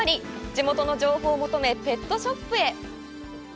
地元の情報を求め、ペットショップへ。